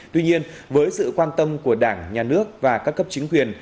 tuy nhiên với sự quan tâm của đảng nhà nước và các cấp chính quyền